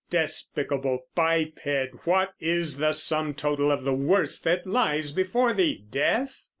Despicable biped! What is the sum total of the worst that lies before thee? Death?